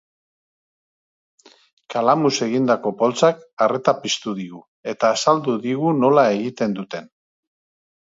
Kalamuz egindako poltsak arreta piztu digu eta azaldu digu nola egiten duten.